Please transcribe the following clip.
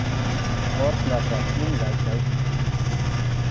Ɣur-sen ɛecr-snin da i ttɛicen..